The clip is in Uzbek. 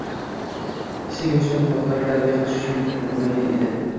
Kichik yoshdan quloqlari tarbiya uchun burilmagan edi.